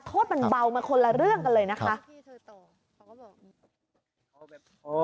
โทษมันเบามาคนละเรื่องกันเลยนะคะ